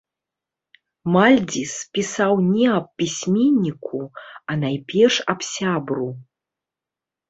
Мальдзіс пісаў не аб пісьменніку, а найперш аб сябру.